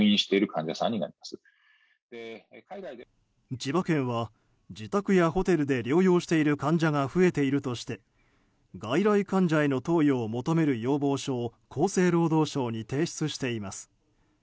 千葉県は自宅やホテルで療養している患者が増えているとして外来患者への投与を求める要望書を厚生労働省に提出しています。